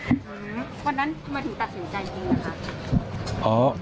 อ๋อไม่ครับไม่ครับใช่ครับ